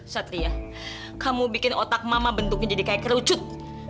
satria kamu bikin otak mama bentuknya jadi kayak kerucut